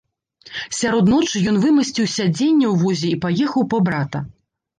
Сярод ночы ён вымасціў сядзенне ў возе і паехаў па брата.